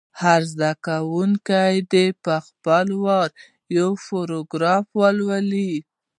هر زده کوونکی دې په خپل وار یو پاراګراف ولولي.